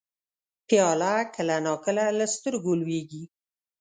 پیاله کله نا کله له سترګو لوېږي.